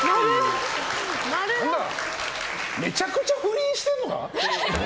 めちゃくちゃ不倫してるのか？